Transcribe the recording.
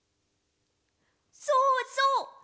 そうそう！